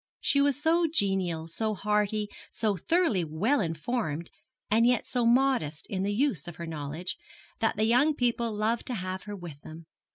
She was so genial, so hearty, so thoroughly well informed, and yet so modest in the use of her knowledge, that the young people loved to have her with them.